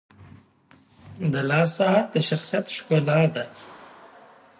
• د لاس ساعت د شخصیت ښکلا ده.